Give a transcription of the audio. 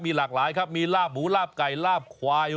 หลากหลายครับมีลาบหมูลาบไก่ลาบควาย